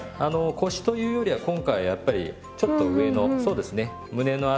腰というよりは今回やっぱりちょっと上のそうですね胸の辺りを。